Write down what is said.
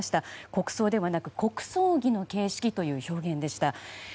国葬ではなく国葬儀の形式という表現でした。